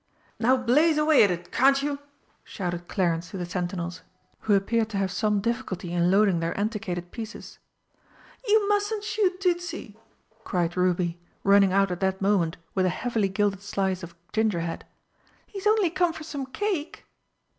"Now blaze away at it, can't you!" shouted Clarence to the sentinels, who appeared to have some difficulty in loading their antiquated pieces. "You mustn't shoot Tützi!" cried Ruby, running out at that moment with a heavily gilded slice of gingerhead, "he's only come for some cake!"